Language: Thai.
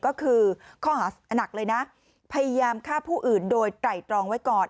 ก็คือข้อหานักเลยนะพยายามฆ่าผู้อื่นโดยไตรตรองไว้ก่อน